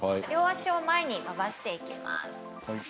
両足を前に伸ばしていきます。